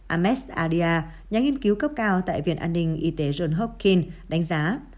ames adia nhà nghiên cứu cấp cao tại viện an ninh y tế john hopkin đánh giá